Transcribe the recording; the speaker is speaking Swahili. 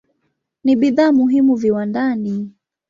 Ni bidhaa muhimu viwandani.